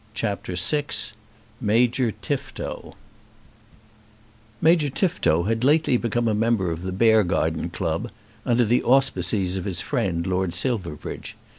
CHAPTER VI Major Tifto Major Tifto had lately become a member of the Beargarden Club, under the auspices of his friend Lord Silverbridge.